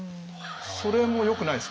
それもよくないですかね。